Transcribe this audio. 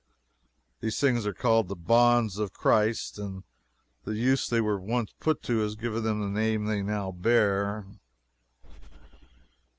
These things are called the "Bonds of Christ," and the use they were once put to has given them the name they now bear.